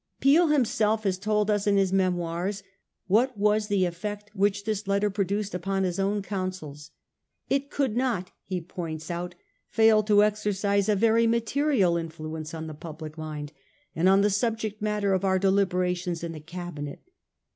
Peel himself has told us in his Memoirs what was the effect which this letter produced upon his own councils. It 'could not,' he points out, 'fail to exer cise a very material influence on the public mind, and on the subject matter of our deliberations in the Ca binet.